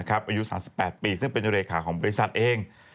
อายุ๓๘ปีซึ่งเป็นเลขาของบริษัทเอง